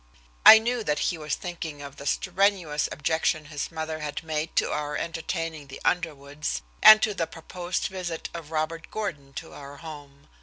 I knew that he was thinking of the strenuous objection his mother had made to our entertaining the Underwoods, and to the proposed visit of Robert Gordon to our home.